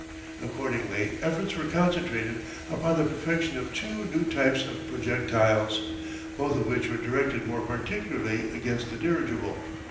Accordingly efforts were concentrated upon the perfection of two new types of projectiles, both of which were directed more particularly against the dirigible.